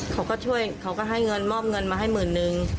เขาก็ให้มอบเงินมาให้หมื่นนึง